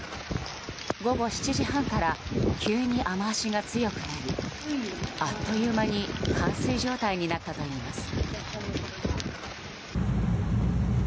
午後７時半から急に雨脚が強くなりあっという間に冠水状態になったといいます。